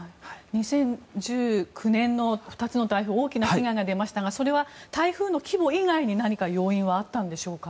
２０１９年の２つの台風は多くの被害が出ましたが台風の規模以外に何か要因はあったんでしょうか。